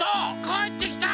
かえってきた！